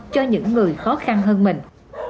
cho những người khó khăn hơn mình